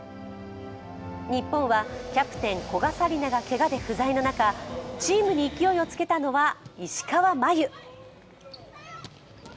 日本はキャプテン・古賀紗理那がけがで不在の中チームに勢いをつけたのは、石川真佑。